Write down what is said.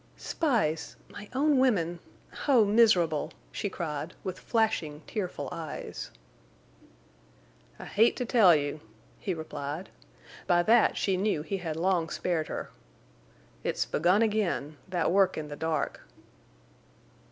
"Spies! My own women!... Oh, miserable!" she cried, with flashing, tearful eyes. "I hate to tell you," he replied. By that she knew he had long spared her. "It's begun again—that work in the dark."